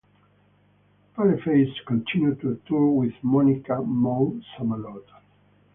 Paleface continued to tour with Monica "Mo" Samalot.